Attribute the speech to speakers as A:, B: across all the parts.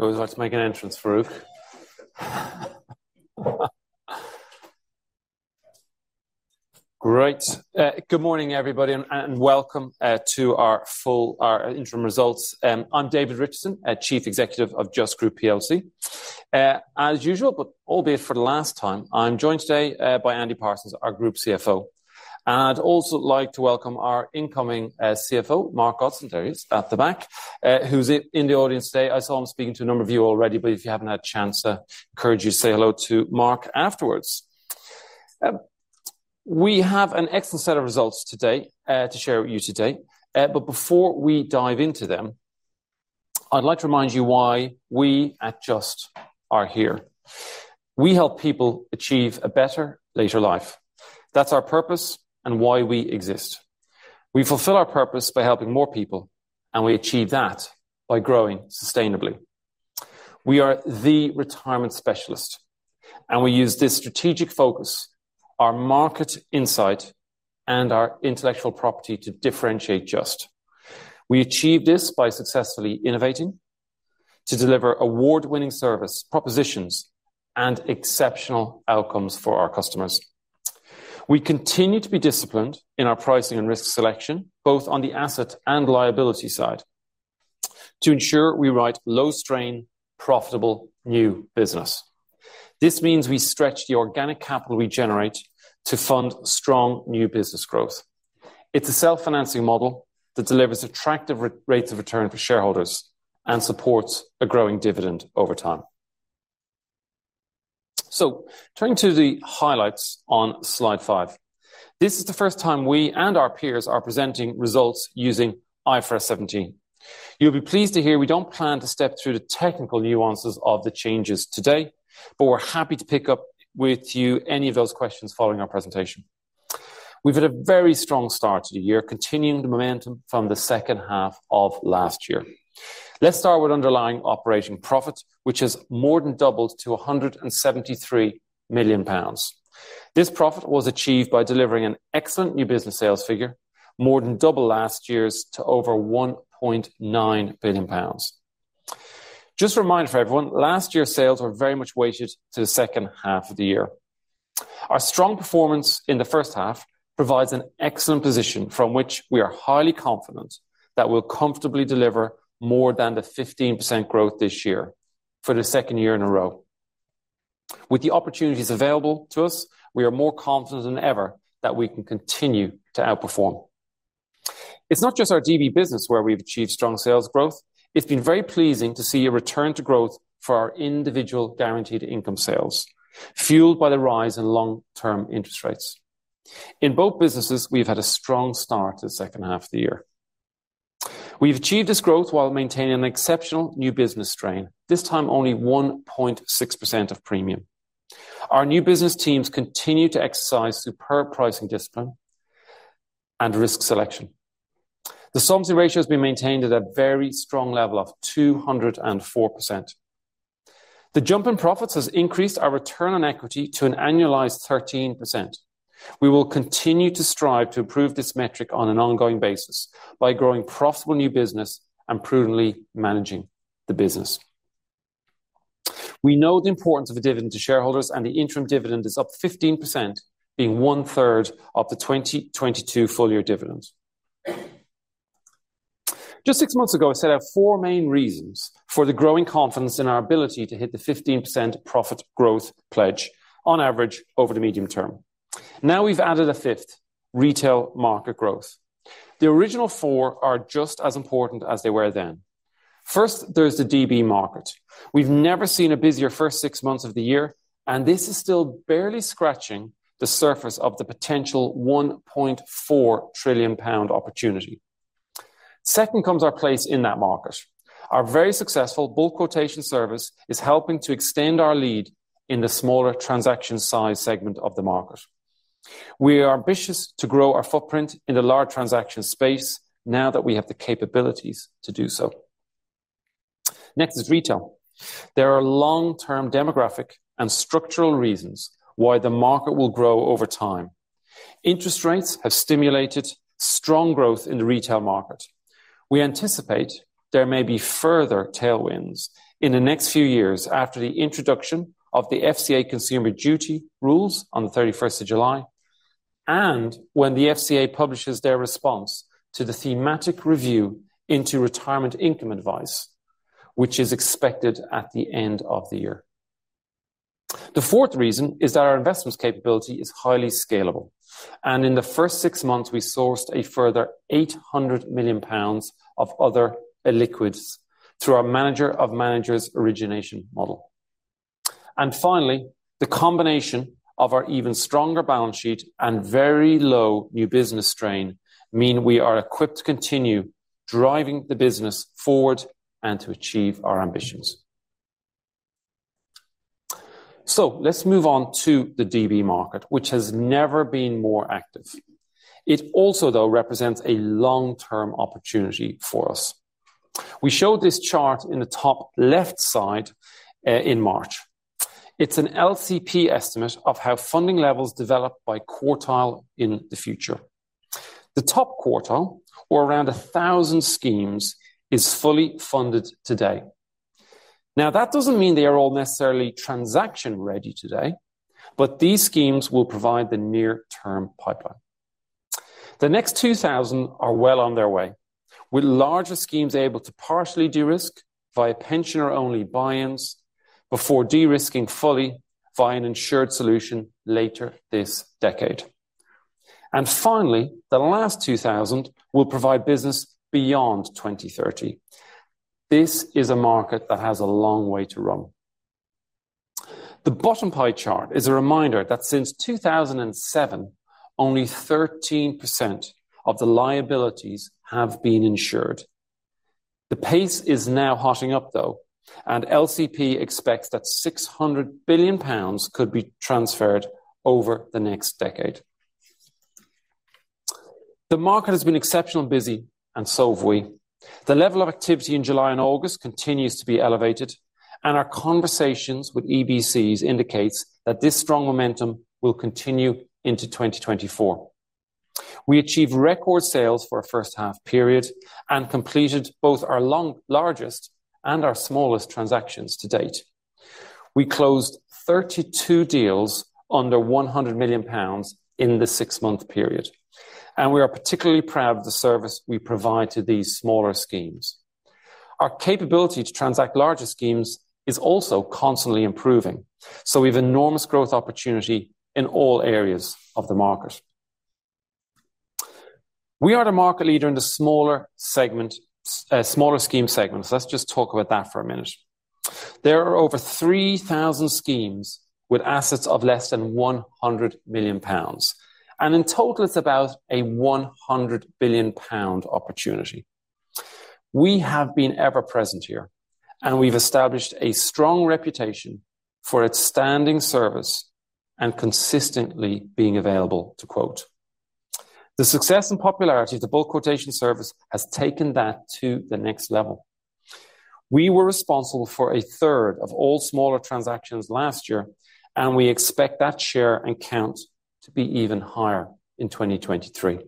A: You always like to make an entrance, Farooq. Great. Good morning, everybody, and welcome to our full, our interim results. I'm David Richardson, Chief Executive of Just Group PLC. As usual, albeit for the last time, I'm joined today by Andy Parsons, our Group CFO. I'd also like to welcome our incoming CFO, Mark Godden. There he is at the back, who's in the audience today. I saw him speaking to a number of you already, if you haven't had a chance, I encourage you to say hello to Mark afterwards. We have an excellent set of results today to share with you today. Before we dive into them, I'd like to remind you why we at Just are here. We help people achieve a better later life. That's our purpose and why we exist. We fulfill our purpose by helping more people, and we achieve that by growing sustainably. We are the retirement specialist, and we use this strategic focus, our market insight, and our intellectual property to differentiate Just. We achieve this by successfully innovating to deliver award-winning service, propositions, and exceptional outcomes for our customers. We continue to be disciplined in our pricing and risk selection, both on the asset and liability side, to ensure we write low-strain, profitable new business. This means we stretch the organic capital we generate to fund strong new business growth. It's a self-financing model that delivers attractive rates of return for shareholders and supports a growing dividend over time. Turning to the highlights on slide five. This is the first time we and our peers are presenting results using IFRS 17. You'll be pleased to hear we don't plan to step through the technical nuances of the changes today, but we're happy to pick up with you any of those questions following our presentation. We've had a very strong start to the year, continuing the momentum from the second half of last year. Let's start with underlying operating profit, which has more than doubled to 173 million pounds. This profit was achieved by delivering an excellent new business sales figure, more than double last year's to over 1.9 billion pounds. Just a reminder for everyone, last year's sales were very much weighted to the second half of the year. Our strong performance in the first half provides an excellent position from which we are highly confident that we'll comfortably deliver more than the 15% growth this year for the second year in a row. With the opportunities available to us, we are more confident than ever that we can continue to outperform. It's not just our DB business where we've achieved strong sales growth. It's been very pleasing to see a return to growth for our individual guaranteed income sales, fueled by the rise in long-term interest rates. In both businesses, we've had a strong start to the second half of the year. We've achieved this growth while maintaining an exceptional new business strain, this time only 1.6% of premium. Our new business teams continue to exercise superb pricing discipline and risk selection. The solvency ratio has been maintained at a very strong level of 204%. The jump in profits has increased our return on equity to an annualized 13%. We will continue to strive to improve this metric on an ongoing basis by growing profitable new business and prudently managing the business. We know the importance of a dividend to shareholders. The interim dividend is up 15%, being 1/3 of the 2022 full-year dividend. Just six months ago, I set out four main reasons for the growing confidence in our ability to hit the 15% profit growth pledge on average over the medium term. Now we've added a fifth: retail market growth. The original four are just as important as they were then. First, there's the DB market. We've never seen a busier first six months of the year, and this is still barely scratching the surface of the potential 1.4 trillion pound opportunity. Second comes our place in that market. Our very successful Bulk Quotation Service is helping to extend our lead in the smaller transaction size segment of the market. We are ambitious to grow our footprint in the large transaction space now that we have the capabilities to do so. Next is retail. There are long-term demographic and structural reasons why the market will grow over time. Interest rates have stimulated strong growth in the retail market. We anticipate there may be further tailwinds in the next few years after the introduction of the FCA Consumer Duty rules on the 31st of July, and when the FCA publishes their response to the thematic review into retirement income advice, which is expected at the end of the year. The fourth reason is that our investments capability is highly scalable, and in the first 6 months, we sourced a further 800 million pounds of other illiquids through our manager of managers' origination model. Finally, the combination of our even stronger balance sheet and very low new business strain mean we are equipped to continue driving the business forward and to achieve our ambitions. Let's move on to the DB market, which has never been more active. It also, though, represents a long-term opportunity for us. We showed this chart in the top left side in March. It's an LCP estimate of how funding levels develop by quartile in the future. The top quartile, or around 1,000 schemes, is fully funded today. Now, that doesn't mean they are all necessarily transaction-ready today, but these schemes will provide the near-term pipeline. The next 2,000 are well on their way, with larger schemes able to partially de-risk via pensioner-only buy-ins before de-risking fully via an insured solution later this decade. Finally, the last 2,000 will provide business beyond 2030. This is a market that has a long way to run. The bottom pie chart is a reminder that since 2007, only 13% of the liabilities have been insured. The pace is now hotting up, though, and LCP expects that 600 billion pounds could be transferred over the next decade. The market has been exceptionally busy, and so have we. The level of activity in July and August continues to be elevated, and our conversations with EBCs indicates that this strong momentum will continue into 2024. We achieved record sales for our first half period and completed both our largest and our smallest transactions to date. We closed 32 deals under 100 million pounds in this 6-month period, and we are particularly proud of the service we provide to these smaller schemes. Our capability to transact larger schemes is also constantly improving, we have enormous growth opportunity in all areas of the market. We are the market leader in the smaller segment, smaller scheme segments. Let's just talk about that for a minute. There are over 3,000 schemes with assets of less than 100 million pounds, in total, it's about a 100 billion pound opportunity. We have been ever present here, we've established a strong reputation for outstanding service and consistently being available to quote. The success and popularity of the Bulk Quotation Service has taken that to the next level. We were responsible for a third of all smaller transactions last year. We expect that share and count to be even higher in 2023.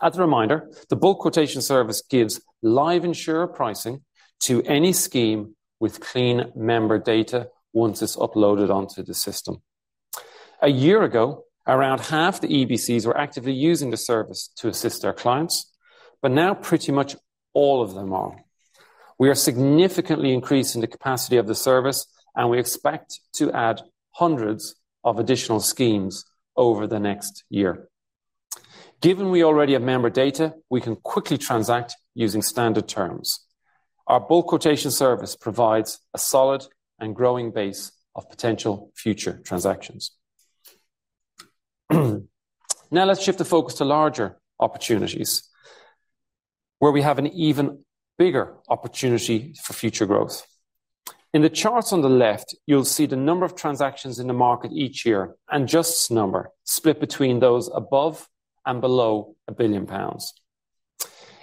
A: As a reminder, the Bulk Quotation Service gives live insurer pricing to any scheme with clean member data once it's uploaded onto the system. A year ago, around half the EBCs were actively using the service to assist their clients. Now pretty much all of them are. We are significantly increasing the capacity of the service. We expect to add hundreds of additional schemes over the next year. Given we already have member data, we can quickly transact using standard terms. Our Bulk Quotation Service provides a solid and growing base of potential future transactions. Let's shift the focus to larger opportunities, where we have an even bigger opportunity for future growth. In the charts on the left, you'll see the number of transactions in the market each year, and just number split between those above and below 1 billion pounds.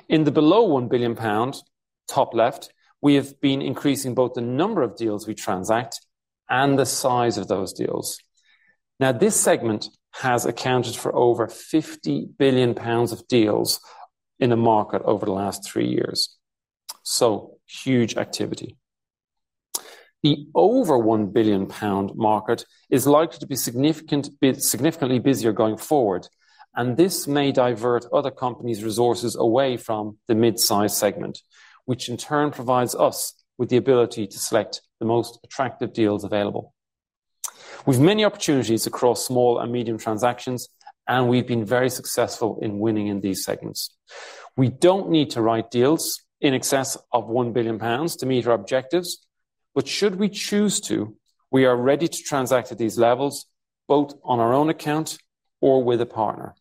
A: In the below 1 billion pound, top left, we have been increasing both the number of deals we transact and the size of those deals. This segment has accounted for over 50 billion pounds of deals in the market over the last three years, so huge activity. The over 1 billion pound market is likely to be significant, be significantly busier going forward, and this may divert other companies' resources away from the mid-size segment, which in turn provides us with the ability to select the most attractive deals available. We've many opportunities across small and medium transactions. We've been very successful in winning in these segments. We don't need to write deals in excess of 1 billion pounds to meet our objectives. Should we choose to, we are ready to transact at these levels, both on our own account or with a partner.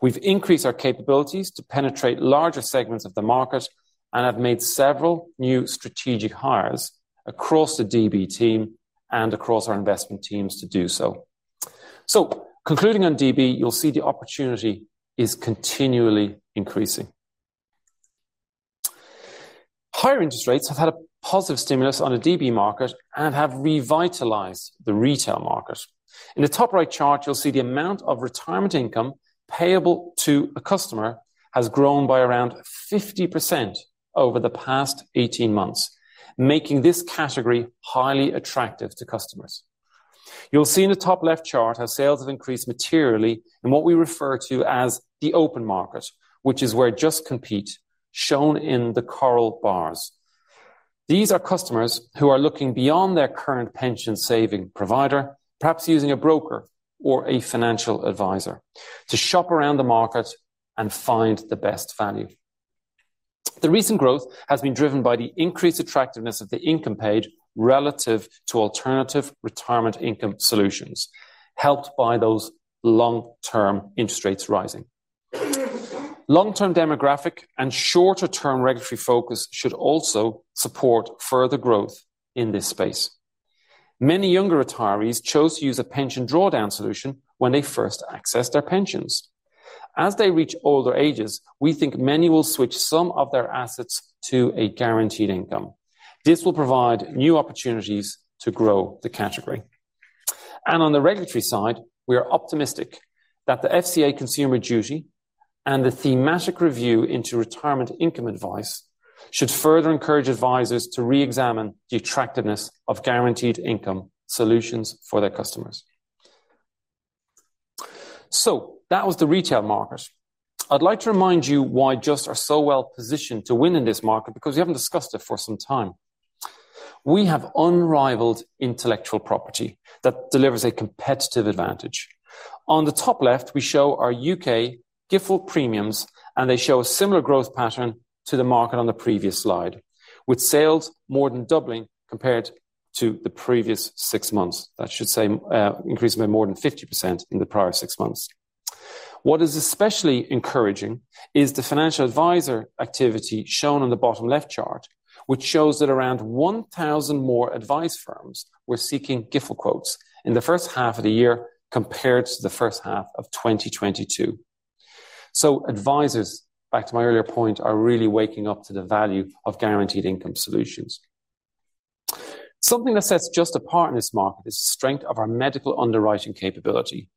A: We've increased our capabilities to penetrate larger segments of the market and have made several new strategic hires across the DB team and across our investment teams to do so. Concluding on DB, you'll see the opportunity is continually increasing. Higher interest rates have had a positive stimulus on the DB market and have revitalized the retail market. In the top right chart, you'll see the amount of retirement income payable to a customer has grown by around 50% over the past 18 months, making this category highly attractive to customers. You'll see in the top left chart how sales have increased materially in what we refer to as the open market, which is where Just compete, shown in the coral bars. These are customers who are looking beyond their current pension saving provider, perhaps using a broker or a financial advisor, to shop around the market and find the best value. The recent growth has been driven by the increased attractiveness of the income paid relative to alternative retirement income solutions, helped by those long-term interest rates rising. Long-term demographic and shorter-term regulatory focus should also support further growth in this space.... Many younger retirees chose to use a pension drawdown solution when they first accessed their pensions. As they reach older ages, we think many will switch some of their assets to a guaranteed income. This will provide new opportunities to grow the category. On the regulatory side, we are optimistic that the FCA Consumer Duty and the thematic review into retirement income advice should further encourage advisors to reexamine the attractiveness of guaranteed income solutions for their customers. That was the retail market. I'd like to remind you why Just are so well positioned to win in this market, because we haven't discussed it for some time. We have unrivaled intellectual property that delivers a competitive advantage. On the top left, we show our UK GIfL premiums, and they show a similar growth pattern to the market on the previous slide, with sales more than doubling compared to the previous 6 months. That should say, increasing by more than 50% in the prior 6 months. What is especially encouraging is the financial advisor activity shown on the bottom left chart, which shows that around 1,000 more advice firms were seeking GIfL quotes in the first half of the year compared to the first half of 2022. Advisors, back to my earlier point, are really waking up to the value of guaranteed income solutions. Something that sets Just apart in this market is the strength of our medical underwriting capability.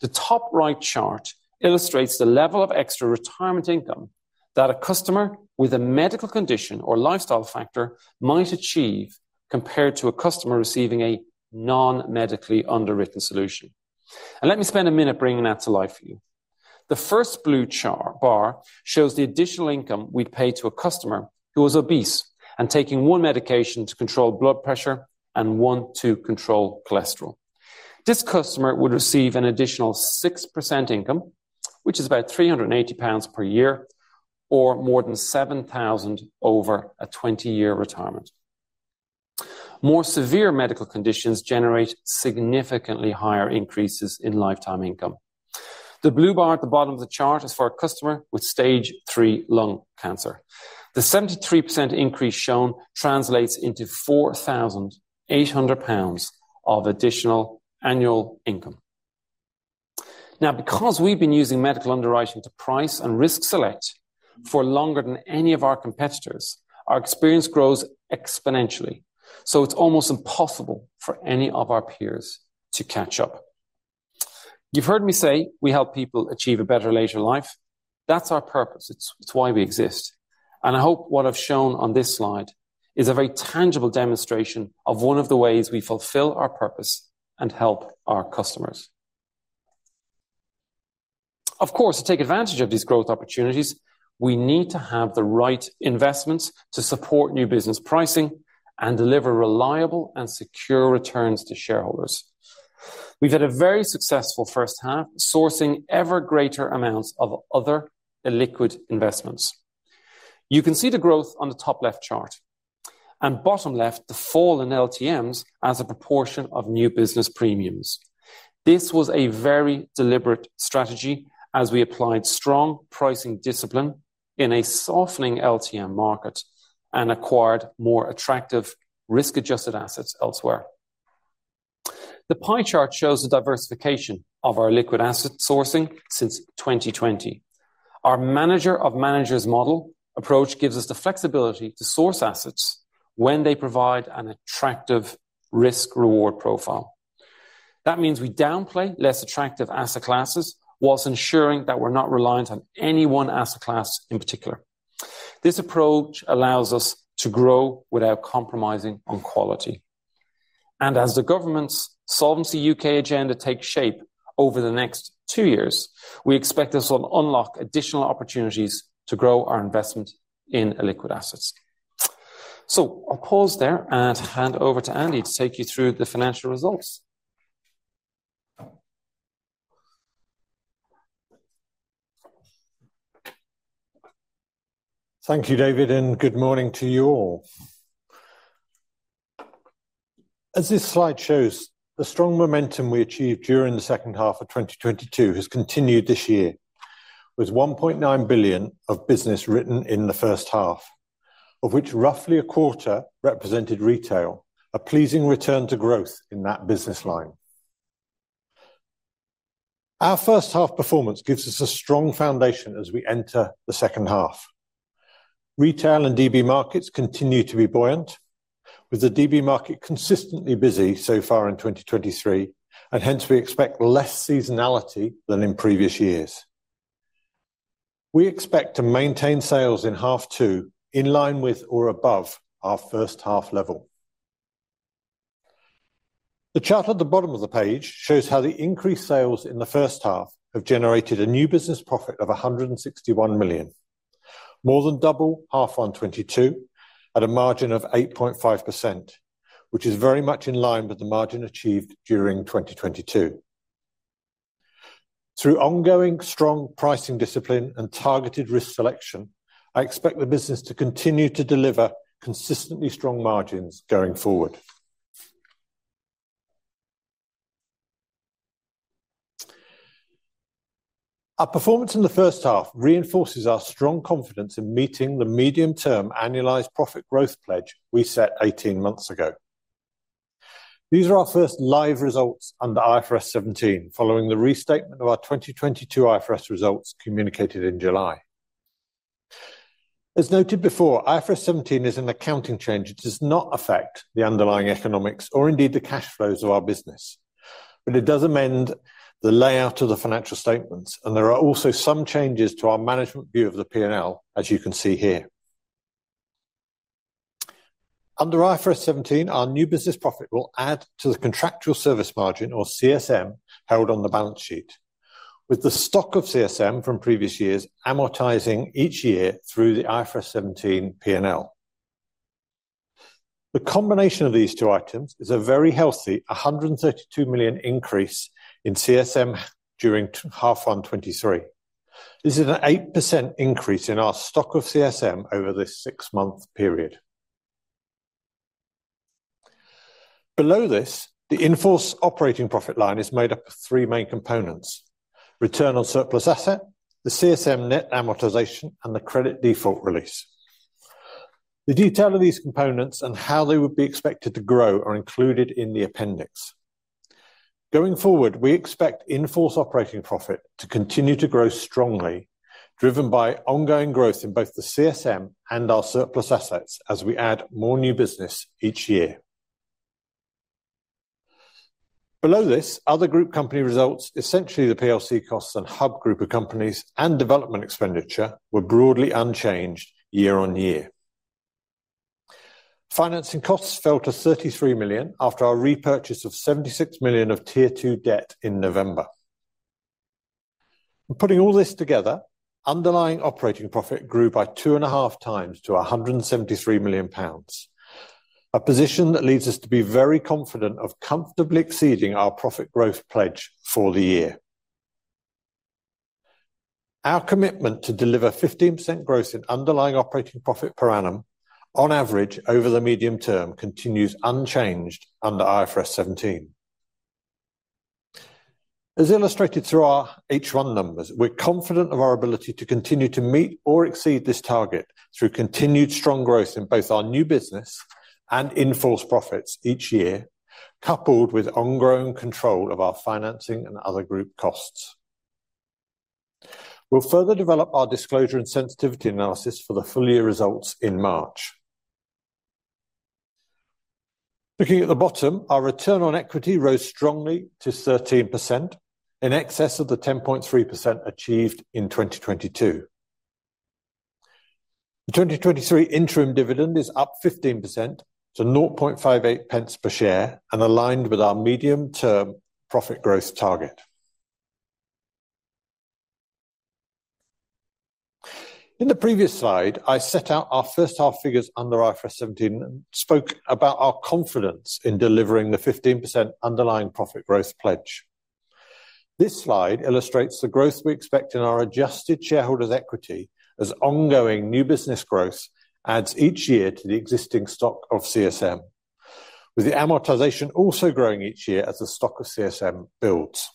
A: The top right chart illustrates the level of extra retirement income that a customer with a medical condition or lifestyle factor might achieve compared to a customer receiving a non-medically underwritten solution. Let me spend a minute bringing that to life for you. The first blue bar shows the additional income we'd pay to a customer who was obese and taking one medication to control blood pressure and one to control cholesterol. This customer would receive an additional 6% income, which is about 380 pounds per year, or more than 7,000 over a 20-year retirement. More severe medical conditions generate significantly higher increases in lifetime income. The blue bar at the bottom of the chart is for a customer with stage three lung cancer. The 73% increase shown translates into 4,800 pounds of additional annual income. Now, because we've been using medical underwriting to price and risk select for longer than any of our competitors, our experience grows exponentially, so it's almost impossible for any of our peers to catch up. You've heard me say we help people achieve a better later life. That's our purpose. It's, it's why we exist, and I hope what I've shown on this slide is a very tangible demonstration of one of the ways we fulfill our purpose and help our customers. Of course, to take advantage of these growth opportunities, we need to have the right investments to support new business pricing and deliver reliable and secure returns to shareholders. We've had a very successful first half, sourcing ever greater amounts of other illiquid investments. You can see the growth on the top left chart. Bottom left, the fall in LTMs as a proportion of new business premiums. This was a very deliberate strategy as we applied strong pricing discipline in a softening LTM market and acquired more attractive risk-adjusted assets elsewhere. The pie chart shows the diversification of our liquid asset sourcing since 2020. Our manager of managers model approach gives us the flexibility to source assets when they provide an attractive risk-reward profile. That means we downplay less attractive asset classes while ensuring that we're not reliant on any one asset class in particular. This approach allows us to grow without compromising on quality. As the government's Solvency UK agenda takes shape over the next two years, we expect this will unlock additional opportunities to grow our investment in illiquid assets. I'll pause there and hand over to Andy to take you through the financial results.
B: Thank you, David, and good morning to you all. As this slide shows, the strong momentum we achieved during the second half of 2022 has continued this year, with 1.9 billion of business written in the first half, of which roughly a quarter represented retail, a pleasing return to growth in that business line. Our first half performance gives us a strong foundation as we enter the second half. Retail and DB markets continue to be buoyant, with the DB market consistently busy so far in 2023, and hence we expect less seasonality than in previous years. We expect to maintain sales in half two in line with or above our first half level. The chart at the bottom of the page shows how the increased sales in the first half have generated a new business profit of 161 million, more than double H1 2022 at a margin of 8.5%, which is very much in line with the margin achieved during 2022. Through ongoing strong pricing discipline and targeted risk selection, I expect the business to continue to deliver consistently strong margins going forward. Our performance in the first half reinforces our strong confidence in meeting the medium-term annualized profit growth pledge we set 18 months ago. These are our first live results under IFRS 17, following the restatement of our 2022 IFRS results communicated in July. As noted before, IFRS 17 is an accounting change. It does not affect the underlying economics or indeed the cash flows of our business, it does amend the layout of the financial statements, and there are also some changes to our management view of the P&L, as you can see here. Under IFRS 17, our new business profit will add to the Contractual Service Margin, or CSM, held on the balance sheet, with the stock of CSM from previous years amortizing each year through the IFRS 17 P&L. The combination of these two items is a very healthy, 132 million increase in CSM during H1 2023. This is an 8% increase in our stock of CSM over this six-month period. Below this, the in-force operating profit line is made up of three main components: return on surplus asset, the CSM net amortization, and the credit default release. The detail of these components and how they would be expected to grow are included in the appendix. Going forward, we expect in-force operating profit to continue to grow strongly, driven by ongoing growth in both the CSM and our surplus assets as we add more new business each year. Below this, other HUB Group company results, essentially the PLC costs and HUB Group of companies and development expenditure, were broadly unchanged year-on-year. Financing costs fell to 33 million after our repurchase of 76 million of Tier 2 debt in November. Putting all this together, underlying operating profit grew by 2.5 times to 173 million pounds. A position that leads us to be very confident of comfortably exceeding our profit growth pledge for the year. Our commitment to deliver 15% growth in underlying operating profit per annum, on average, over the medium term, continues unchanged under IFRS 17. As illustrated through our H1 numbers, we're confident of our ability to continue to meet or exceed this target through continued strong growth in both our new business and in-force profits each year, coupled with ongoing control of our financing and other group costs. We'll further develop our disclosure and sensitivity analysis for the full year results in March. Looking at the bottom, our return on equity rose strongly to 13%, in excess of the 10.3% achieved in 2022. The 2023 interim dividend is up 15% to 0.58 pence per share and aligned with our medium-term profit growth target. In the previous slide, I set out our first half figures under IFRS 17, and spoke about our confidence in delivering the 15% underlying profit growth pledge. This slide illustrates the growth we expect in our adjusted shareholders' equity, as ongoing new business growth adds each year to the existing stock of CSM, with the amortization also growing each year as the stock of CSM builds.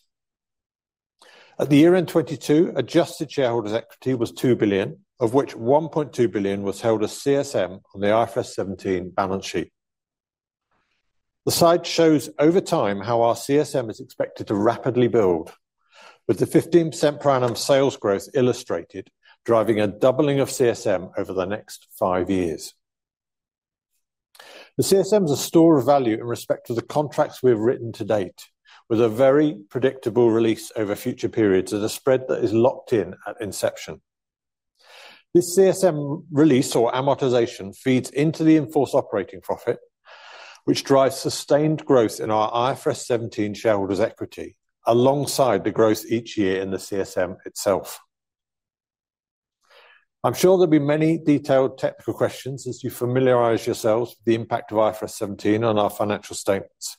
B: At the year-end 2022, adjusted shareholders' equity was 2 billion, of which 1.2 billion was held as CSM on the IFRS 17 balance sheet. The site shows over time how our CSM is expected to rapidly build, with the 15% per annum sales growth illustrated, driving a doubling of CSM over the next five years. The CSM is a store of value in respect to the contracts we have written to date, with a very predictable release over future periods at a spread that is locked in at inception. This CSM release or amortization feeds into the in-force operating profit, which drives sustained growth in our IFRS 17 shareholders' equity, alongside the growth each year in the CSM itself. I'm sure there'll be many detailed technical questions as you familiarize yourselves with the impact of IFRS 17 on our financial statements,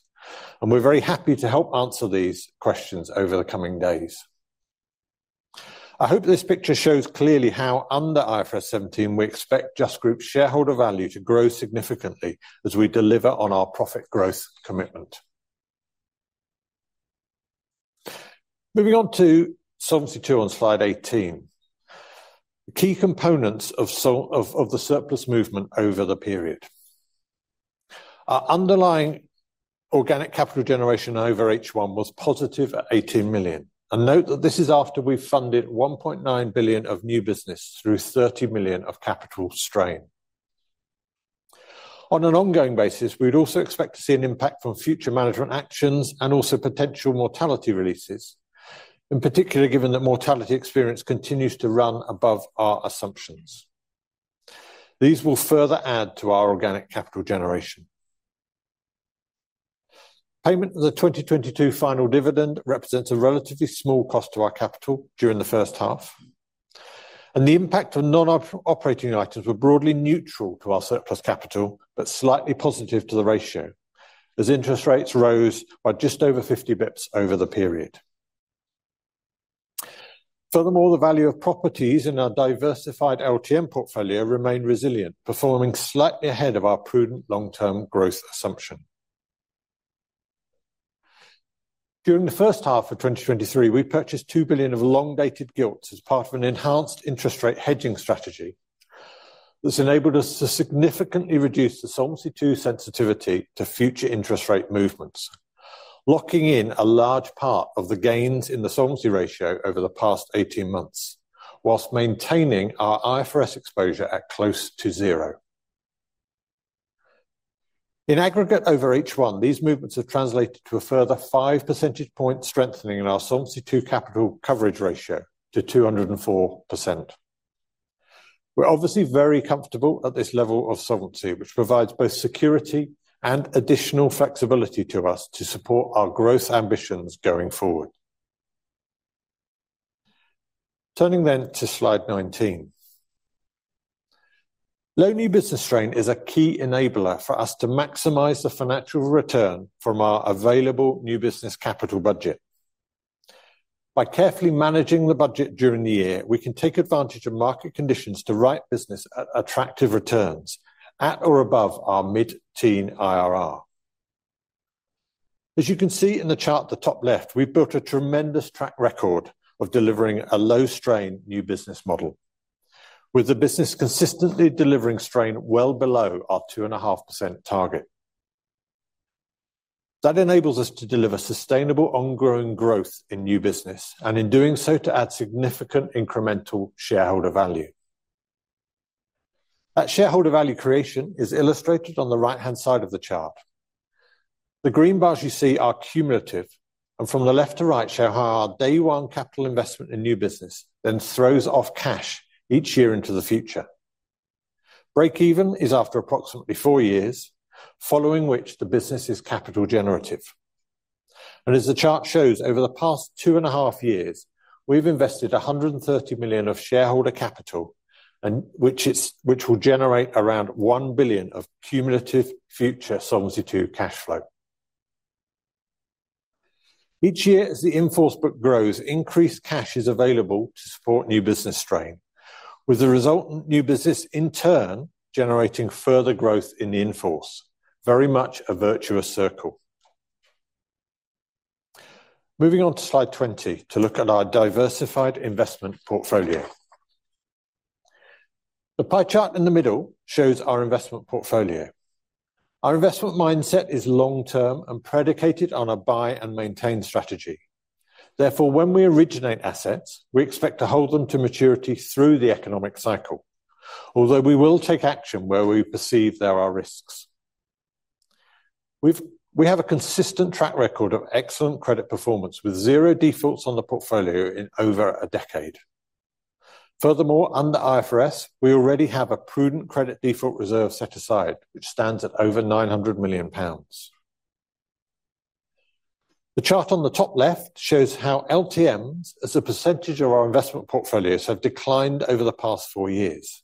B: and we're very happy to help answer these questions over the coming days. I hope this picture shows clearly how, under IFRS 17, we expect Just Group shareholder value to grow significantly as we deliver on our profit growth commitment. Moving on to Solvency II on slide 18. Key components of the surplus movement over the period. Our underlying organic capital generation over H1 was positive at 18 million. Note that this is after we've funded 1.9 billion of new business through 30 million of capital strain. On an ongoing basis, we'd also expect to see an impact from future management actions and also potential mortality releases, in particular, given that mortality experience continues to run above our assumptions. These will further add to our organic capital generation. Payment of the 2022 final dividend represents a relatively small cost to our capital during the first half, and the impact of non-operating items were broadly neutral to our surplus capital, but slightly positive to the ratio, as interest rates rose by just over 50 bits over the period. The value of properties in our diversified LTM portfolio remained resilient, performing slightly ahead of our prudent long-term growth assumption. During the first half of 2023, we purchased 2 billion of long-dated gilts as part of an enhanced interest rate hedging strategy. This enabled us to significantly reduce the Solvency II sensitivity to future interest rate movements, locking in a large part of the gains in the solvency ratio over the past 18 months, whilst maintaining our IFRS exposure at close to 0. In aggregate, over H1, these movements have translated to a further 5 percentage point strengthening in our Solvency II capital coverage ratio to 204%. We're obviously very comfortable at this level of solvency, which provides both security and additional flexibility to us to support our growth ambitions going forward. Turning to slide 19. Low new business strain is a key enabler for us to maximize the financial return from our available new business capital budget. By carefully managing the budget during the year, we can take advantage of market conditions to write business at attractive returns, at or above our mid-teen IRR. As you can see in the chart at the top left, we've built a tremendous track record of delivering a low-strain new business model, with the business consistently delivering strain well below our 2.5% target. That enables us to deliver sustainable ongoing growth in new business, and in doing so, to add significant incremental shareholder value. That shareholder value creation is illustrated on the right-hand side of the chart. The green bars you see are cumulative, and from the left to right, show how our day one capital investment in new business then throws off cash each year into the future. Breakeven is after approximately 4 years, following which the business is capital generative. As the chart shows, over the past two and a half years, we've invested 130 million of shareholder capital, which will generate around 1 billion of cumulative future Solvency II cash flow. Each year, as the in-force book grows, increased cash is available to support new business strain, with the resultant new business in turn generating further growth in the in-force. Very much a virtuous circle. Moving on to slide 20, to look at our diversified investment portfolio. The pie chart in the middle shows our investment portfolio. Our investment mindset is long-term and predicated on a buy and maintain strategy. Therefore, when we originate assets, we expect to hold them to maturity through the economic cycle, although we will take action where we perceive there are risks. We have a consistent track record of excellent credit performance, with 0 defaults on the portfolio in over a decade. Furthermore, under IFRS, we already have a prudent credit default reserve set aside, which stands at over 900 million pounds. The chart on the top left shows how LTMs, as a % of our investment portfolios, have declined over the past four years.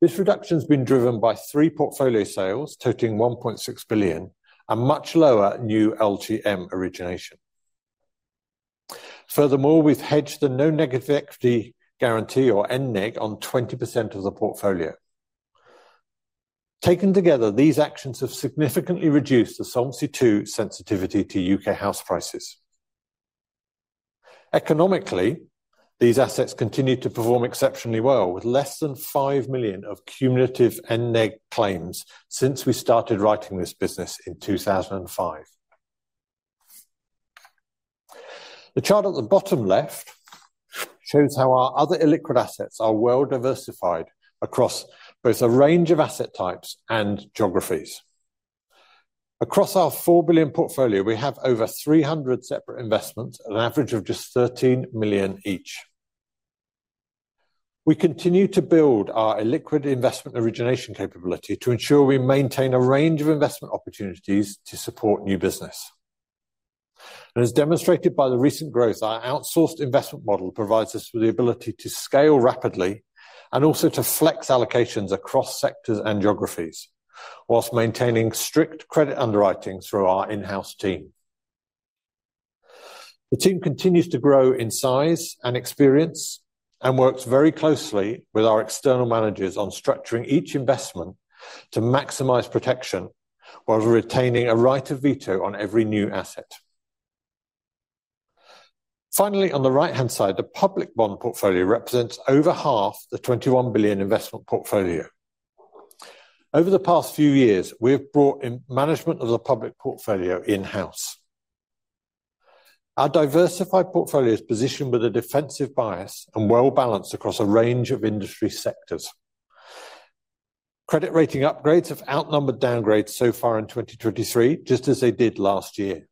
B: This reduction's been driven by three portfolio sales, totaling 1.6 billion, and much lower new LTM origination. Furthermore, we've hedged the No Negative Equity Guarantee or NNEG on 20% of the portfolio. Taken together, these actions have significantly reduced the Solvency II sensitivity to UK house prices. Economically, these assets continue to perform exceptionally well, with less than 5 million of cumulative NNEG claims since we started writing this business in 2005. The chart at the bottom left shows how our other illiquid assets are well diversified across both a range of asset types and geographies. Across our 4 billion portfolio, we have over 300 separate investments, at an average of just 13 million each. We continue to build our illiquid investment origination capability to ensure we maintain a range of investment opportunities to support new business. As demonstrated by the recent growth, our outsourced investment model provides us with the ability to scale rapidly and also to flex allocations across sectors and geographies, while maintaining strict credit underwriting through our in-house team. The team continues to grow in size and experience, and works very closely with our external managers on structuring each investment to maximize protection, while retaining a right of veto on every new asset. Finally, on the right-hand side, the public bond portfolio represents over half the 21 billion investment portfolio. Over the past few years, we have brought in management of the public portfolio in-house. Our diversified portfolio is positioned with a defensive bias and well-balanced across a range of industry sectors. Credit rating upgrades have outnumbered downgrades so far in 2023, just as they did last year.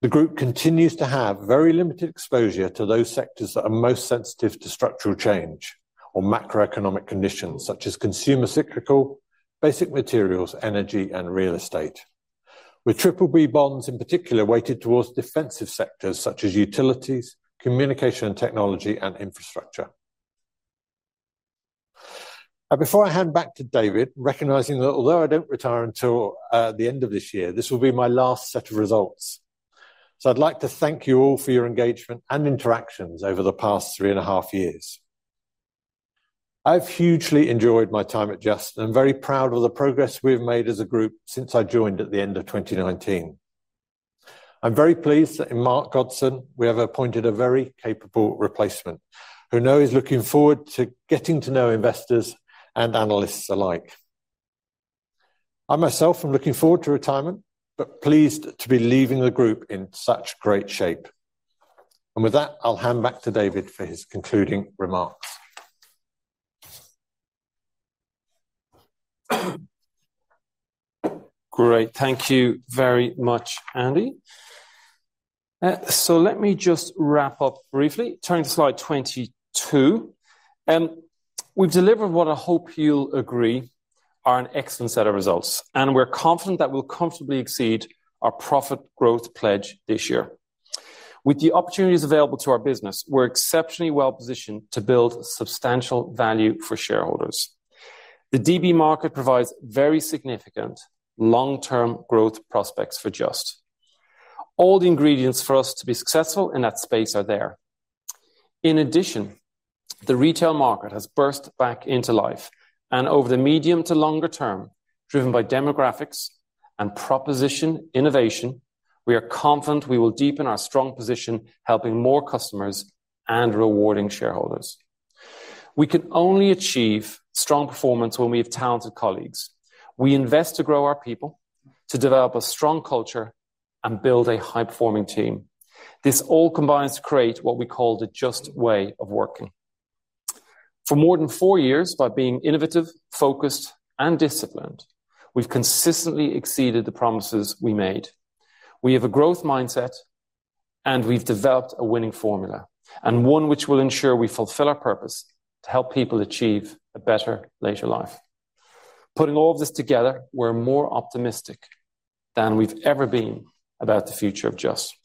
B: The group continues to have very limited exposure to those sectors that are most sensitive to structural change or macroeconomic conditions, such as consumer cyclical, basic materials, energy, and real estate, with BBB bonds in particular weighted towards defensive sectors such as utilities, communication and technology, and infrastructure. Now, before I hand back to David, recognizing that although I don't retire until the end of this year, this will be my last set of results. I'd like to thank you all for your engagement and interactions over the past three and a half years. I've hugely enjoyed my time at Just, and I'm very proud of the progress we've made as a group since I joined at the end of 2019. I'm very pleased that in Mark Godden, we have appointed a very capable replacement, who I know is looking forward to getting to know investors and analysts alike. I myself am looking forward to retirement, but pleased to be leaving the group in such great shape. With that, I'll hand back to David for his concluding remarks.
A: Great. Thank you very much, Andy. Let me just wrap up briefly. Turning to slide 22. We've delivered what I hope you'll agree are an excellent set of results, and we're confident that we'll comfortably exceed our profit growth pledge this year. With the opportunities available to our business, we're exceptionally well positioned to build substantial value for shareholders. The DB market provides very significant long-term growth prospects for Just. All the ingredients for us to be successful in that space are there. In addition, the retail market has burst back into life, and over the medium to longer term, driven by demographics and proposition innovation, we are confident we will deepen our strong position, helping more customers and rewarding shareholders. We can only achieve strong performance when we have talented colleagues. We invest to grow our people, to develop a strong culture, and build a high-performing team. This all combines to create what we call the Just way of working. For more than four years, by being innovative, focused, and disciplined, we've consistently exceeded the promises we made. We have a growth mindset, and we've developed a winning formula, and one which will ensure we fulfill our purpose to help people achieve a better later life. Putting all of this together, we're more optimistic than we've ever been about the future of Just.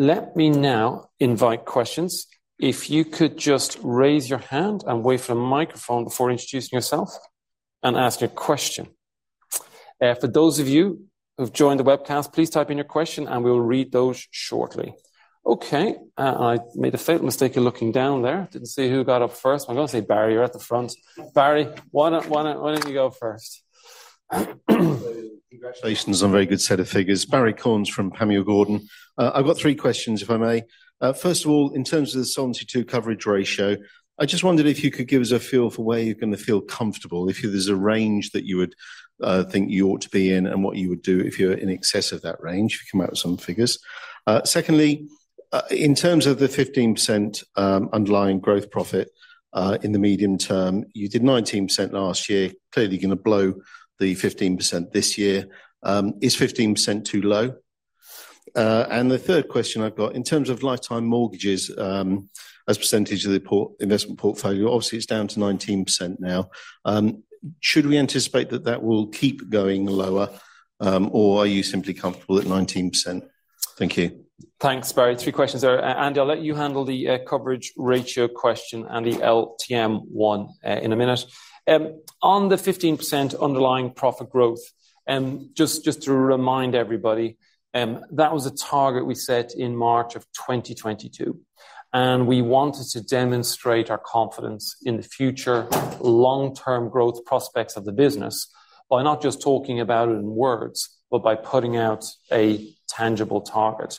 A: Let me now invite questions. If you could just raise your hand and wait for the microphone before introducing yourself and asking a question. For those of you who've joined the webcast, please type in your question, and we will read those shortly. Okay, I made a fatal mistake in looking down there. Didn't see who got up first. I'm gonna say, Barry, you're at the front. Barry, why don't you go first?
C: Congratulations on a very good set of figures. Barrie Cornes from Panmure Gordon. I've got three questions, if I may. First of all, in terms of the Solvency II coverage ratio, I just wondered if you could give us a feel for where you're gonna feel comfortable, if there's a range that you would think you ought to be in, and what you would do if you're in excess of that range. If you come out with some figures. Secondly, in terms of the 15% underlying growth profit, in the medium term, you did 19% last year, clearly gonna blow the 15% this year. Is 15% too low? The third question I've got, in terms of lifetime mortgages, as a percentage of the investment portfolio, obviously, it's down to 19% now. Should we anticipate that that will keep going lower, or are you simply comfortable at 19%? Thank you.
A: Thanks, Barrie. 3 questions there. I'll let you handle the coverage ratio question and the LTM one in a minute. On the 15% underlying profit growth, just, just to remind everybody, that was a target we set in March of 2022, and we wanted to demonstrate our confidence in the future long-term growth prospects of the business by not just talking about it in words, but by putting out a tangible target.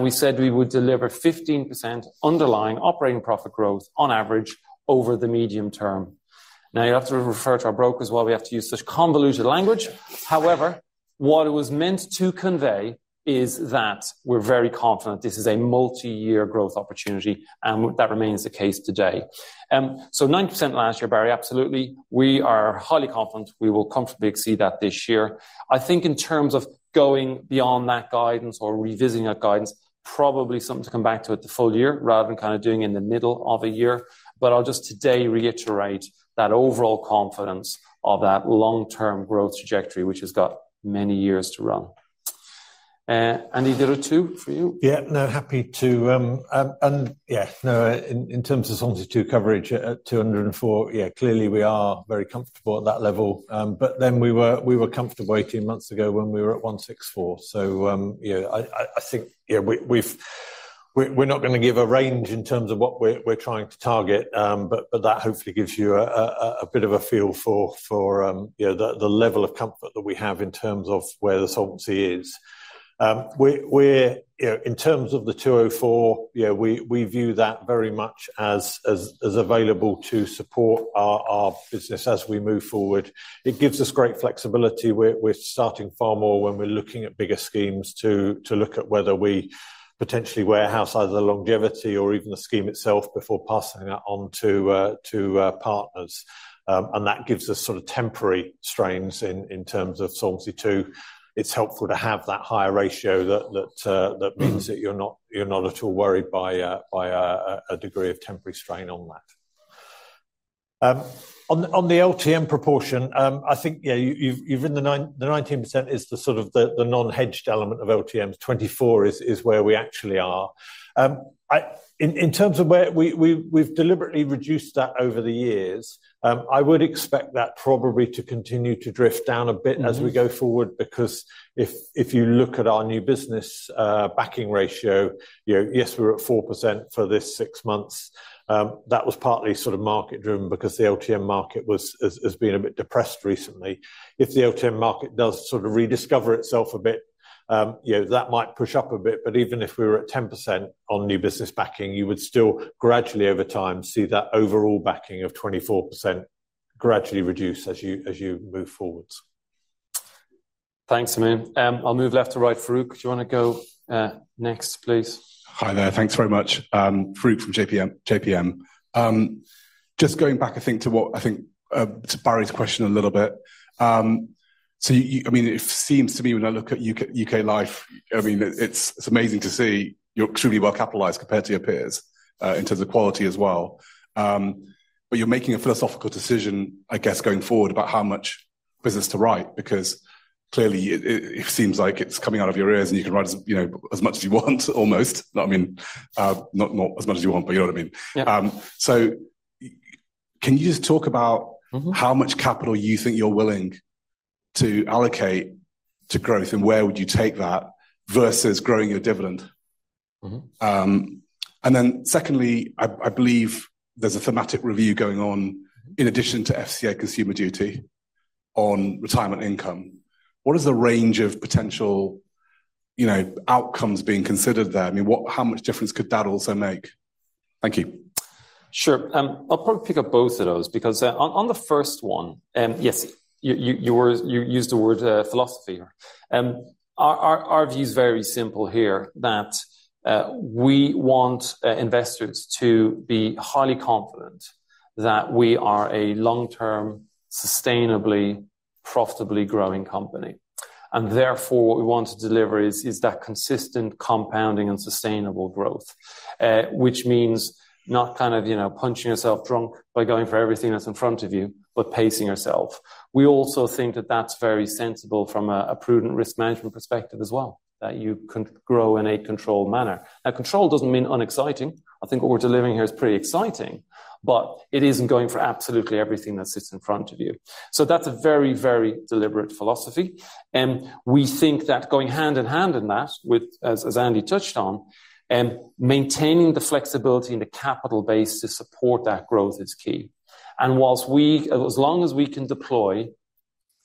A: We said we would deliver 15% underlying operating profit growth on average over the medium term. You'll have to refer to our brokers why we have to use such convoluted language. However, what it was meant to convey is that we're very confident this is a multi-year growth opportunity, and that remains the case today. 9% last year, Barry, absolutely, we are highly confident we will comfortably exceed that this year. I think in terms of going beyond that guidance or revisiting that guidance, probably something to come back to at the full year rather than kind of doing in the middle of a year. But I'll just today reiterate that overall confidence of that long-term growth trajectory, which has got many years to run. Andy, the other two for you?
B: Yeah. No, happy to. Yeah, no, in, in terms of Solvency II coverage at 204, yeah, clearly, we are very comfortable at that level. We were, we were comfortable 18 months ago when we were at 164. Yeah, I, I, I think, yeah, we're, we're not gonna give a range in terms of what we're, we're trying to target, but that hopefully gives you a, a, a bit of a feel for, for, you know, the, the level of comfort that we have in terms of where the solvency is. We're, we're, you know, in terms of the 204, you know, we, we view that very much as, as, as available to support our, our business as we move forward. It gives us great flexibility. We're, we're starting far more when we're looking at bigger schemes to, to look at whether we potentially warehouse either the longevity or even the scheme itself before passing that on to partners. That gives us sort of temporary strains in terms of Solvency II. It's helpful to have that higher ratio that, that means that you're not, you're not at all worried by a degree of temporary strain on that.
D: On the, on the LTM proportion, I think, yeah, you've, you've, in the 19% is the sort of the, the non-hedged element of LTM. 24 is, is where we actually are. In terms of where we've deliberately reduced that over the years. I would expect that probably to continue to drift down a bit.
A: Mm-hmm.
D: As we go forward, because if, if you look at our new business backing ratio, you know, yes, we're at 4% for this 6 months. That was partly sort of market-driven because the LTM market was, has, has been a bit depressed recently. If the LTM market does sort of rediscover itself a bit, you know, that might push up a bit, but even if we were at 10% on new business backing, you would still gradually, over time, see that overall backing of 24% gradually reduce as you, as you move forward.
A: Thanks, Amin. I'll move left to right. Farooq, do you want to go next, please?
E: Hi there. Thanks very much. Farooq from JPM, JPM. Just going back, I think, to what, I think, to Barry's question a little bit. You, I mean, it seems to me when I look at UK, UK Life, I mean, it's, it's amazing to see you're extremely well capitalized compared to your peers, in terms of quality as well. You're making a philosophical decision, I guess, going forward about how much business to write, because clearly, it, it seems like it's coming out of your ears, and you can write as, you know, as much as you want, almost. I mean, not, not as much as you want, but you know what I mean.
A: Yeah.
E: Can you just talk about...
A: Mm-hmm.
E: How much capital you think you're willing to allocate to growth, and where would you take that versus growing your dividend?
A: Mm-hmm.
E: Then secondly, I, I believe there's a thematic review going on in addition to FCA Consumer Duty on retirement income. What is the range of potential, you know, outcomes being considered there? I mean, how much difference could that also make? Thank you.
A: Sure. I'll probably pick up both of those because on, on the first one, yes, you, you, you used the word philosophy here. Our, our, our view is very simple here, that we want investors to be highly confident that we are a long-term, sustainably, profitably growing company. Therefore, what we want to deliver is, is that consistent, compounding, and sustainable growth, which means not kind of, you know, punching yourself drunk by going for everything that's in front of you, but pacing yourself. We also think that that's very sensible from a, a prudent risk management perspective as well, that you can grow in a controlled manner. Now, control doesn't mean unexciting. I think what we're delivering here is pretty exciting, but it isn't going for absolutely everything that sits in front of you. That's a very, very deliberate philosophy, and we think that going hand in hand in that with, as, as Andy touched on, maintaining the flexibility in the capital base to support that growth is key. As long as we can deploy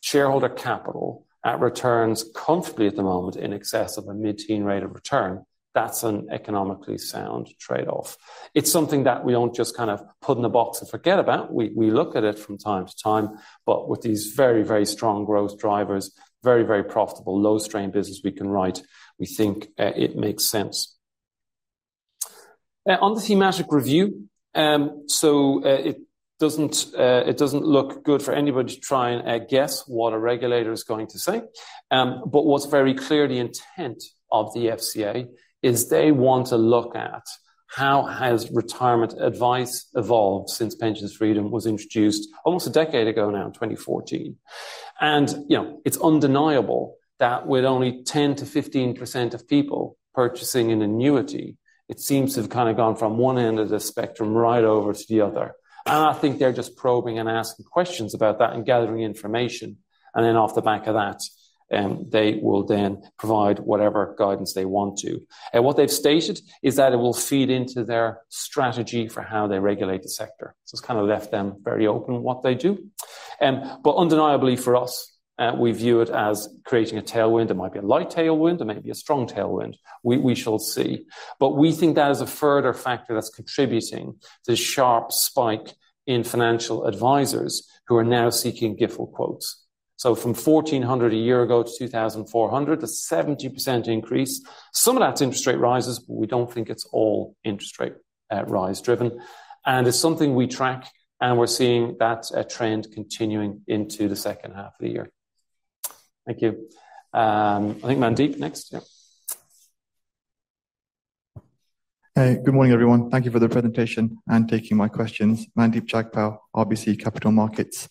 A: shareholder capital at returns comfortably at the moment in excess of a mid-teen rate of return, that's an economically sound trade-off. It's something that we don't just kind of put in a box and forget about. We look at it from time to time, with these very, very strong growth drivers, very, very profitable, low-strain business we can write, we think, it makes sense. On the thematic review, it doesn't, it doesn't look good for anybody to try and guess what a regulator is going to say. What's very clear, the intent of the FCA, is they want to look at how has retirement advice evolved since Pension freedoms was introduced almost a decade ago now, in 2014. You know, it's undeniable that with only 10%-15% of people purchasing an annuity, it seems to have kind of gone from one end of the spectrum right over to the other. I think they're just probing and asking questions about that and gathering information, then off the back of that, they will then provide whatever guidance they want to. What they've stated is that it will feed into their strategy for how they regulate the sector. It's kind of left them very open on what they do. Undeniably for us, we view it as creating a tailwind. It might be a light tailwind, it may be a strong tailwind. We, we shall see. We think that is a further factor that's contributing to the sharp spike in financial advisors who are now seeking GIfL quotes. From 1,400 a year ago to 2,400, a 70% increase. Some of that's interest rate rises, but we don't think it's all interest rate rise-driven, and it's something we track, and we're seeing that trend continuing into the second half of the year. Thank you. I think Mandeep next? Yeah.
D: Hey, good morning, everyone. Thank you for the presentation and taking my questions. Mandeep Jagpal, RBC Capital Markets.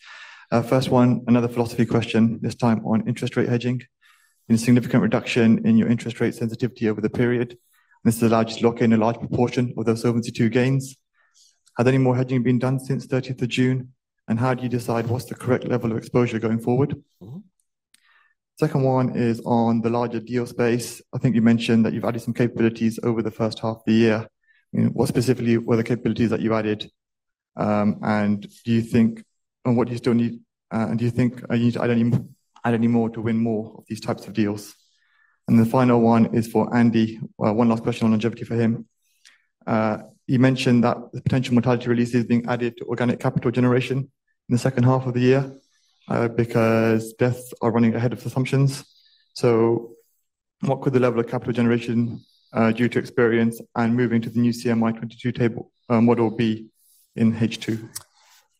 D: First one, another philosophy question, this time on interest rate hedging. In a significant reduction in your interest rate sensitivity over the period, this allows locking a large proportion of those 72 gains. Has any more hedging been done since 30th of June, and how do you decide what's the correct level of exposure going forward?
A: Mm-hmm.
D: Second one is on the larger deal space. I think you mentioned that you've added some capabilities over the 1st half of the year. What specifically were the capabilities that you added, and do you think... What do you still need? Do you think you need to add any, add any more to win more of these types of deals? The final one is for Andy. One last question on longevity for him. You mentioned that the potential mortality release is being added to organic capital generation in the 2nd half of the year, because deaths are running ahead of assumptions. What could the level of capital generation, due to experience and moving to the new CMI 2022 table, model be in H2?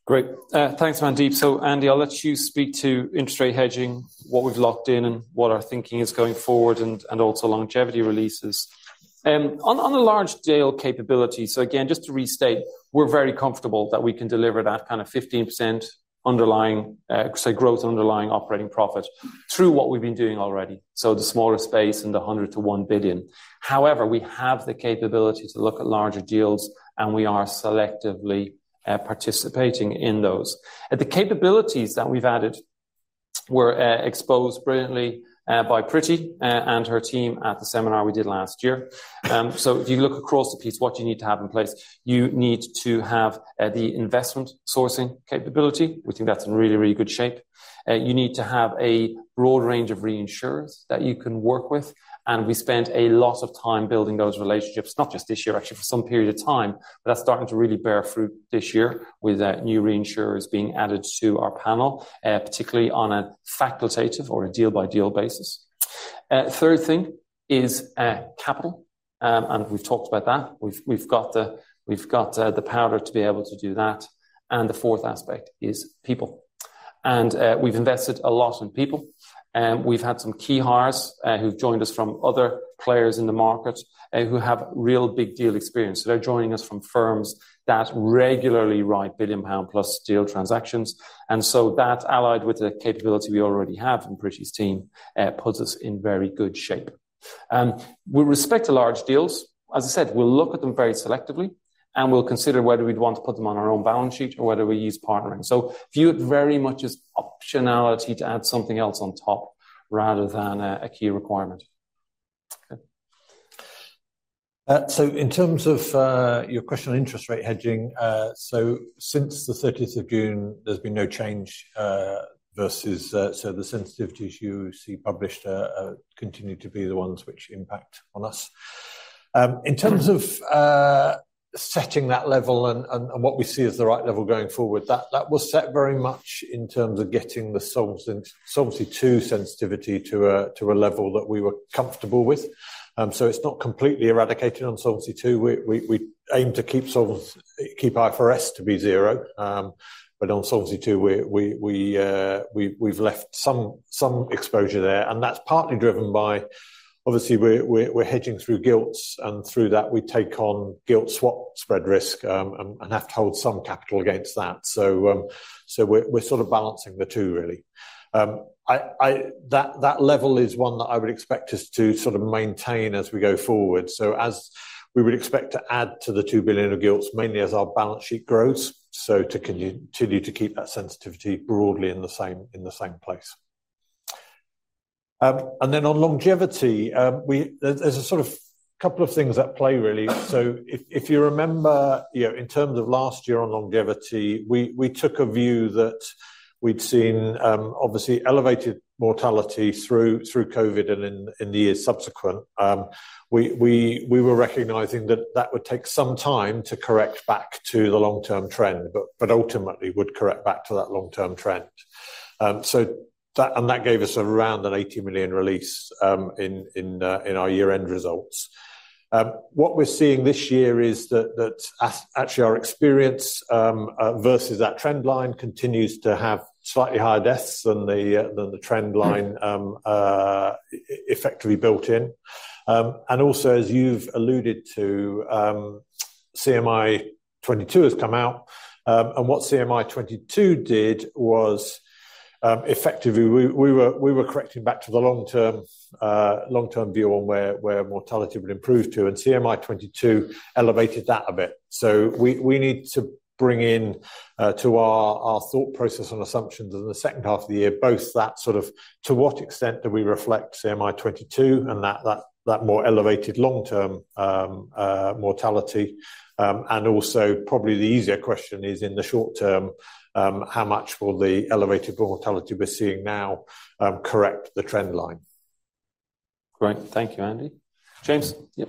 A: Great. Thanks, Mandeep. Andy, I'll let you speak to interest rate hedging, what we've locked in, and what our thinking is going forward, and also longevity releases. On the large deal capability. Again, just to restate, we're very comfortable that we can deliver that kind of 15% underlying, say, growth underlying operating profit through what we've been doing already. The smaller space and the 100 million to 1 billion. However, we have the capability to look at larger deals, and we are selectively participating in those. The capabilities that we've added, were exposed brilliantly by Priti and her team at the seminar we did last year. If you look across the piece, what do you need to have in place? You need to have the investment sourcing capability. We think that's in really, really good shape. You need to have a broad range of reinsurers that you can work with, and we spent a lot of time building those relationships, not just this year, actually, for some period of time. That's starting to really bear fruit this year with new reinsurers being added to our panel, particularly on a facultative or a deal-by-deal basis. Third thing is capital. We've talked about that. We've, we've got the, we've got the powder to be able to do that. The fourth aspect is people. We've invested a lot in people. We've had some key hires who've joined us from other players in the market who have real big deal experience. They're joining us from firms that regularly write 1 billion pound-plus deal transactions. So that, allied with the capability we already have from Priti's team, puts us in very good shape. We respect the large deals. As I said, we'll look at them very selectively, and we'll consider whether we'd want to put them on our own balance sheet or whether we use partnering. View it very much as optionality to add something else on top rather than a, a key requirement. Okay.
B: In terms of your question on interest rate hedging, since the 30th of June, there's been no change versus. The sensitivities you see published continue to be the ones which impact on us. In terms of setting that level and, and, and what we see as the right level going forward, that, that was set very much in terms of getting the solvency, Solvency II sensitivity to a, to a level that we were comfortable with. It's not completely eradicated on Solvency II. We, we, we aim to keep keep IFRS to be 0. On Solvency II, we've left some exposure there, and that's partly driven by, obviously, we're hedging through gilts, and through that, we take on gilt swap spread risk, and have to hold some capital against that. We're sort of balancing the two really. I. That level is one that I would expect us to sort of maintain as we go forward. As we would expect to add to the 2 billion of gilts, mainly as our balance sheet grows, so to continue to keep that sensitivity broadly in the same place. On longevity, we. There's a sort of couple of things at play, really. If, if you remember, you know, in terms of last year on longevity, we, we took a view that we'd seen obviously elevated mortality through, through COVID and in, in the years subsequent. We, we, we were recognizing that that would take some time to correct back to the long-term trend, but, but ultimately would correct back to that long-term trend. That, and that gave us around a 80 million release in, in our year-end results. What we're seeing this year is that, that as actually our experience versus that trend line continues to have slightly higher deaths than the than the trend line effectively built in. Also, as you've alluded to, CMI22 has come out. What CMI22 did was, effectively, we, we were, we were correcting back to the long-term, long-term view on where, where mortality would improve to, and CMI22 elevated that a bit. We, we need to bring in to our, our thought process and assumptions in the second half of the year, both that sort of, to what extent do we reflect CMI22 and that, that, that more elevated long-term mortality. Also probably the easier question is, in the short term, how much will the elevated mortality we're seeing now correct the trend line?
A: Great. Thank you, Andy. James? Yep.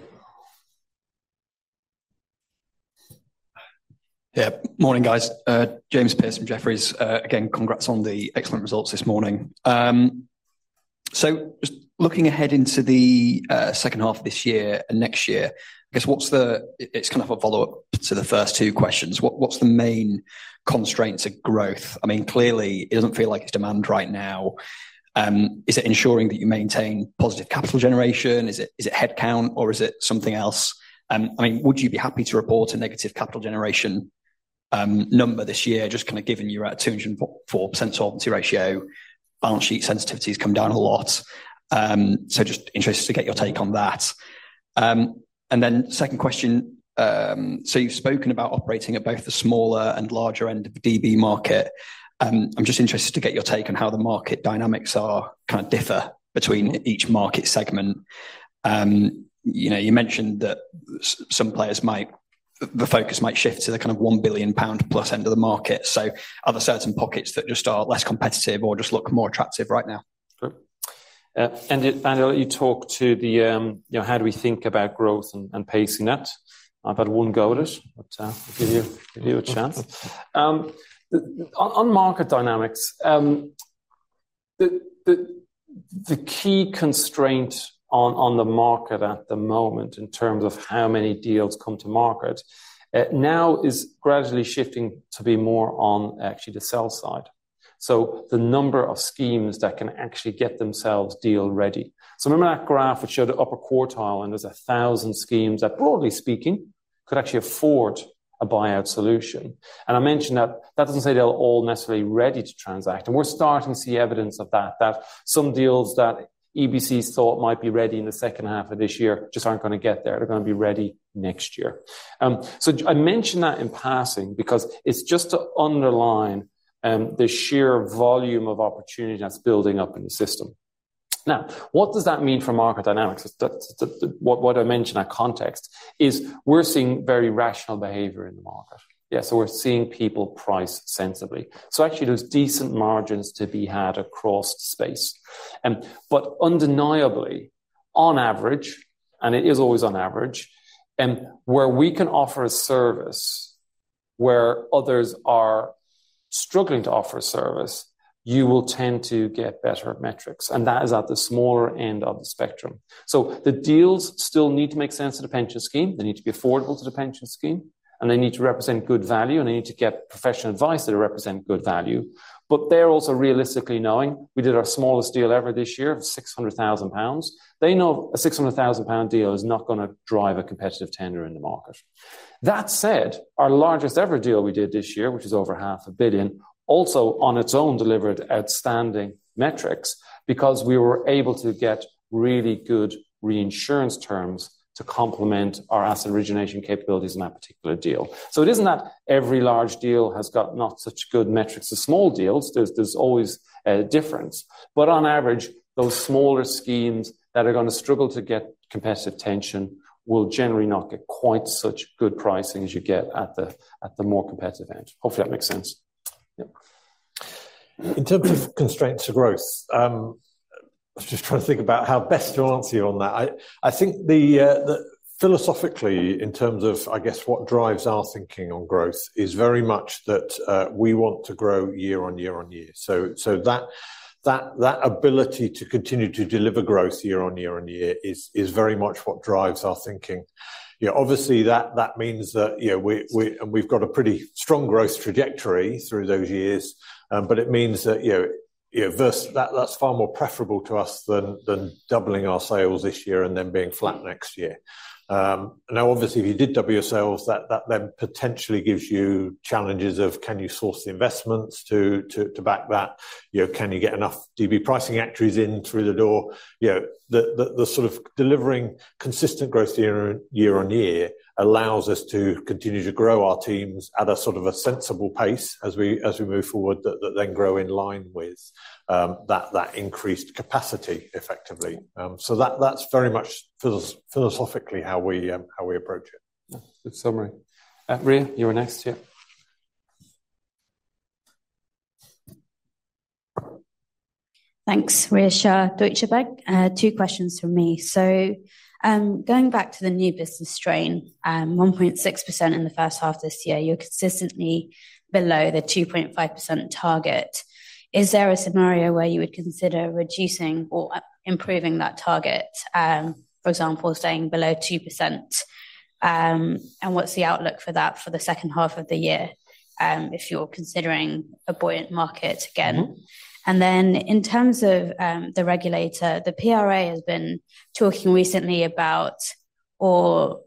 F: Yeah. Morning, guys, James Pearse from Jefferies. Congrats on the excellent results this morning. Just looking ahead into the second half of this year and next year, I guess what's the... It's kind of a follow-up to the first 2 questions. What, what's the main constraints of growth? I mean, clearly, it doesn't feel like it's demand right now. Is it ensuring that you maintain positive capital generation? Is it, is it headcount, or is it something else? I mean, would you be happy to report a negative capital generation number this year, just kind of given you're at a 204% solvency ratio, balance sheet sensitivity has come down a lot. Just interested to get your take on that. Second question, you've spoken about operating at both the smaller and larger end of the DB market. I'm just interested to get your take on how the market dynamics are, kind of differ between each market segment. You know, you mentioned that some players might, the focus might shift to the kind of 1 billion pound plus end of the market. Are there certain pockets that just are less competitive or just look more attractive right now?
A: Sure. And, and I'll let you talk to the, you know, how do we think about growth and, and pacing that? I wouldn't go at it, but I'll give you, give you a chance. On, on market dynamics, the, the, the key constraint on, on the market at the moment in terms of how many deals come to market, now is gradually shifting to be more on actually the sell side. The number of schemes that can actually get themselves deal ready. Remember that graph which showed the upper quartile, and there's 1,000 schemes that, broadly speaking, could actually afford a buyout solution. I mentioned that, that doesn't say they're all necessarily ready to transact, and we're starting to see evidence of that, that some deals that EBCs thought might be ready in the second half of this year just aren't gonna get there. They're gonna be ready next year. I mention that in passing because it's just to underline the sheer volume of opportunity that's building up in the system. What does that mean for market dynamics? That's, that, what I mentioned, that context, is we're seeing very rational behavior in the market. Yeah, we're seeing people price sensibly. Actually, there's decent margins to be had across space. Undeniably, on average, and it is always on average, where we can offer a service where others are struggling to offer a service, you will tend to get better metrics, and that is at the smaller end of the spectrum. The deals still need to make sense to the pension scheme, they need to be affordable to the pension scheme, and they need to represent good value, and they need to get professional advice that will represent good value. They're also realistically knowing we did our smallest deal ever this year of 600,000 pounds. They know a 600,000 pound deal is not gonna drive a competitive tender in the market. That said, our largest-ever deal we did this year, which is over 500 million, also on its own, delivered outstanding metrics because we were able to get really good reinsurance terms to complement our asset origination capabilities in that particular deal. It isn't that every large deal has got not such good metrics as small deals. There's always a difference. On average, those smaller schemes that are gonna struggle to get competitive tension will generally not get quite such good pricing as you get at the, at the more competitive end. Hopefully, that makes sense. Yep.
B: In terms of constraints to growth, I was just trying to think about how best to answer you on that. I, I think the philosophically, in terms of, I guess, what drives our thinking on growth is very much that, we want to grow year on year on year. That, that, that ability to continue to deliver growth year on year on year is, is very much what drives our thinking. Yeah, obviously, that, that means that, you know, we've got a pretty strong growth trajectory through those years. But it means that, you know, you know, that, that's far more preferable to us than, than doubling our sales this year and then being flat next year. Now, obviously, if you did double your sales, that, that then potentially gives you challenges of can you source the investments to, to, to back that? You know, can you get enough DB pricing actuaries in through the door? You know, the, the, the sort of delivering consistent growth year on, year on year allows us to continue to grow our teams at a sort of a sensible pace as we, as we move forward, that, that then grow in line with that, that increased capacity effectively. That, that's very much philosophically, how we, how we approach it.
A: Yeah, good summary. Rhea, you were next, yeah.
G: Thanks. Rhea Shah, Deutsche Bank. Two questions from me. Going back to the new business strain, 1.6% in the first half this year, you're consistently below the 2.5% target. Is there a scenario where you would consider reducing or improving that target, for example, staying below 2%? What's the outlook for that for the second half of the year, if you're considering a buoyant market again? In terms of the regulator, the PRA has been talking recently about or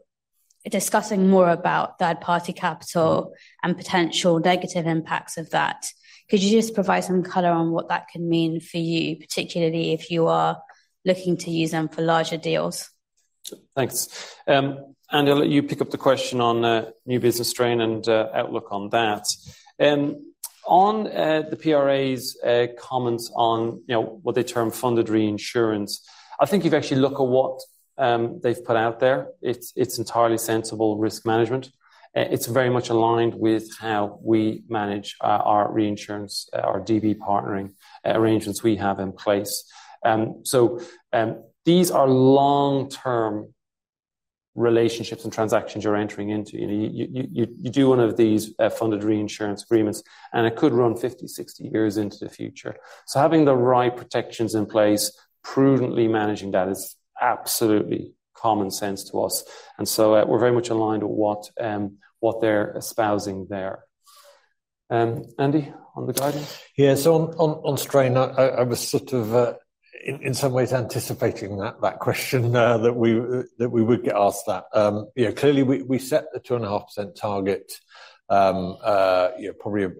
G: discussing more about third-party capital and potential negative impacts of that. Could you just provide some color on what that can mean for you, particularly if you are looking to use them for larger deals?
A: Thanks. Andy, I'll let you pick up the question on new business strain and outlook on that. On the PRA's comments on, you know, what they term funded reinsurance, I think if you actually look at what they've put out there, it's, it's entirely sensible risk management. It's very much aligned with how we manage our, our reinsurance, our DB partnering arrangements we have in place. These are long-term relationships and transactions you're entering into. You, you, you, you do one of these funded reinsurance agreements. It could run 50, 60 years into the future. Having the right protections in place, prudently managing that, is absolutely common sense to us. We're very much aligned with what what they're espousing there. Andy, on the guidance?
B: Yeah, so on, on, on strain, I, I, was sort of, in, in some ways anticipating that, that question, that we, that we would get asked that. You know, clearly, we, we set the 2.5% target, you know, probably a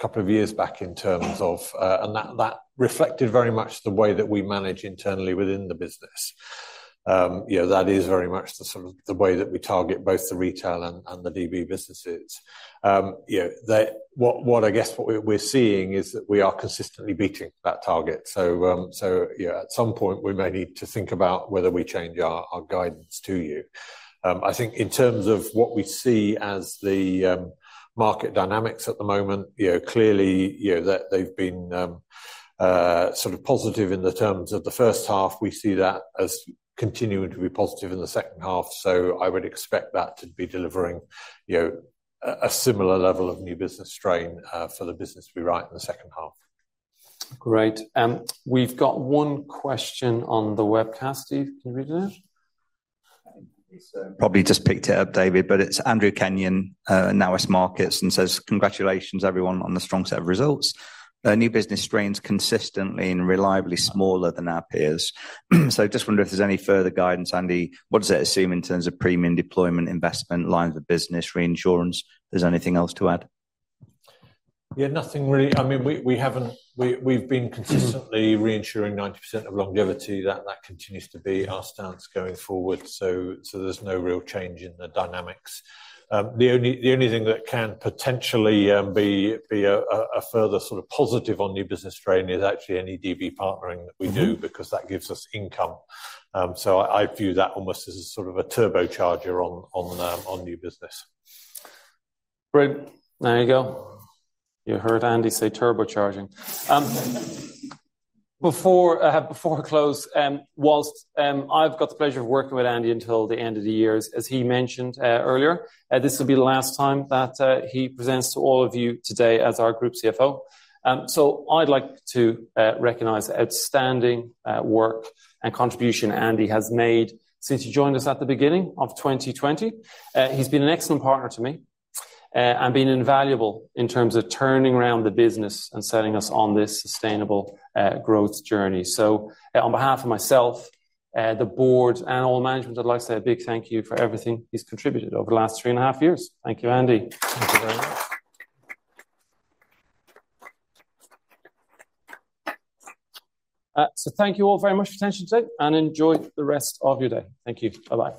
B: couple of years back in terms of... and that, that reflected very much the way that we manage internally within the business. You know, that is very much the sort of the way that we target both the retail and, and the DB businesses. You know, that what, what I guess what we're, we're seeing is that we are consistently beating that target. You know, at some point, we may need to think about whether we change our, our guidance to you. I think in terms of what we see as the market dynamics at the moment, you know, clearly, you know, that they've been sort of positive in the terms of the 1st half. We see that as continuing to be positive in the 2nd half, I would expect that to be delivering, you know, a, a similar level of new business strain for the business we write in the 2nd half.
A: Great. We've got one question on the webcast. Steve, can you read it out?
H: I probably just picked it up, David, but it's Andrew Kenyon, NatWest Markets, and says: "Congratulations, everyone, on the strong set of results. New business strain's consistently and reliably smaller than our peers. Just wondering if there's any further guidance, Andy, what does it assume in terms of premium deployment, investment, lines of business, reinsurance? If there's anything else to add?
B: Yeah, nothing really. I mean, we haven't... We've been consistently reinsuring 90% of longevity. That continues to be our stance going forward, so there's no real change in the dynamics. The only thing that can potentially be a further sort of positive on new business strain is actually any DB partnering that we do because that gives us income. I view that almost as a sort of a turbocharger on new business.
A: Great. There you go. You heard Andy say turbocharging. Before, before I close, whilst I've got the pleasure of working with Andy until the end of the year, as he mentioned earlier, this will be the last time that he presents to all of you today as our Group CFO. I'd like to recognize the outstanding work and contribution Andy has made since he joined us at the beginning of 2020. He's been an excellent partner to me and been invaluable in terms of turning around the business and setting us on this sustainable growth journey. On behalf of myself, the board, and all management, I'd like to say a big thank you for everything he's contributed over the last three and a half years. Thank you, Andy. Thank you very much. Thank you all very much for your attention today, and enjoy the rest of your day. Thank you. Bye-bye.